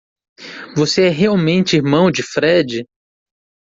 Você é realmente irmão de Fred?